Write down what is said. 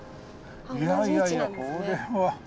いやいやいやこれは。